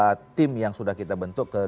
kedua tim yang sudah kita bentuk